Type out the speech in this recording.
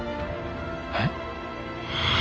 えっ。